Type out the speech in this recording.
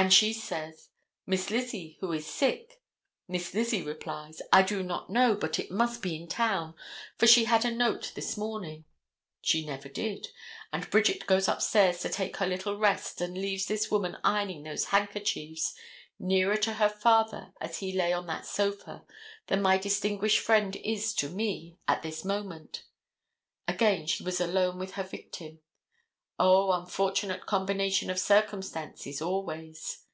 And she says: "Miss Lizzie, who is sick?" Miss Lizzie replies: "I don't know, but it must be in town, for she had a note this morning." She never did, and Bridget goes upstairs to take her little rest and leaves this woman ironing those handkerchiefs nearer to her father as he lay on that sofa than my distinguished friend is to me, at this moment. Again she was alone with her victim. O, unfortunate combination of circumstances, always.